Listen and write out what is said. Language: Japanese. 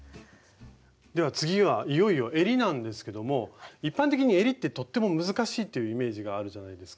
では次はいよいよえりなんですけども一般的にえりってとっても難しいっていうイメージがあるじゃないですか。